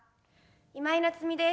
今井菜津美です。